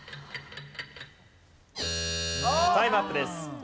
タイムアップです。